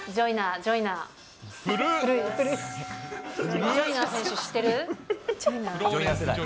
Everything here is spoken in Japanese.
ジョイナー選手、知ってる？